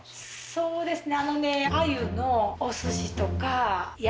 そうですね